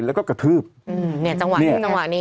แล้วก็กระทืบเนี่ยจังหวะนี้